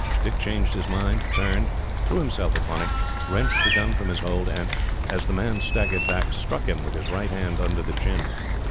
Dick changed his mind, turned, threw himself upon him, wrenched the gun from his hold, and, as the man staggered back, struck him with his right hand under the chin.